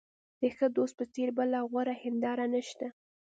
د ښه دوست په څېر بله غوره هنداره نشته.